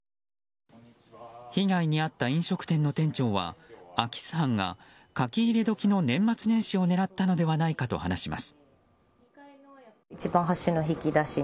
被害に遭った飲食店の店長は空き巣犯が書き入れ時の年末年始を狙ったのではないかと話します。